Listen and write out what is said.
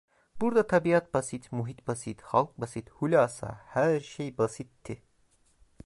Burada tabiat basit, muhit basit, halk basit, hulasa her şey basitti…